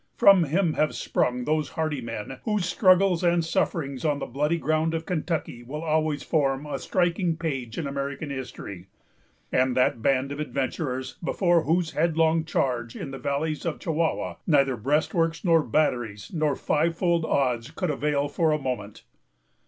From him have sprung those hardy men whose struggles and sufferings on the bloody ground of Kentucky will always form a striking page in American history; and that band of adventurers before whose headlong charge, in the valley of Chihuahua, neither breastworks, nor batteries, nor fivefold odds could avail for a moment.